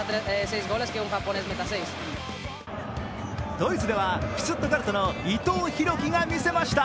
ドイツではシュツットガルトの伊藤洋輝が見せました。